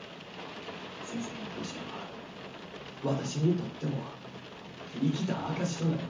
先生へのご支援は私にとっても生きた証しとなります。